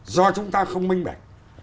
do chúng ta không minh bạch